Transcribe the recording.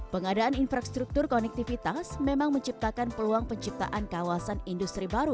pengadaan infrastruktur konektivitas memang menciptakan peluang penciptaan kawasan industri baru